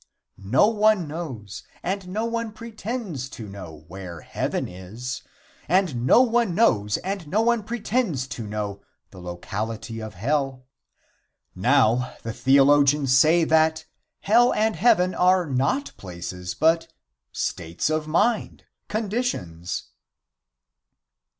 No one knows, and no one pretends to know, where heaven is; and no one knows, and no one pretends to know, the locality of hell. Now the theologians say that hell and heaven are not places, but states of mind conditions.